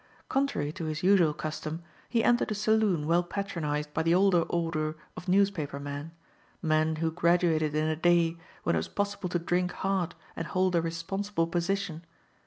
Contrary to his usual custom, he entered a saloon well patronized by the older order of newspapermen, men who graduated in a day when it was possible to drink hard and hold a responsible position.